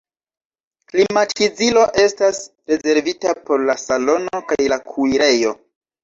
Klimatizilo estas rezervita por la salono kaj la kuirejo.